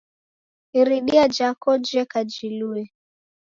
Iridia jako jeka jilue